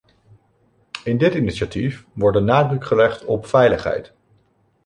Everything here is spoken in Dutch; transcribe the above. In dit initiatief wordt de nadruk gelegd op veiligheid.